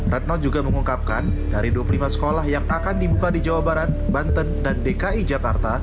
retno juga mengungkapkan dari dua puluh lima sekolah yang akan dibuka di jawa barat banten dan dki jakarta